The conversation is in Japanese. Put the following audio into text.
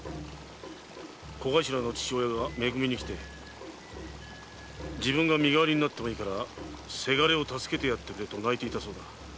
小頭の父親がめ組に来て「自分が身代わりになるから倅を助けてやってくれ」と泣いていたそうだ。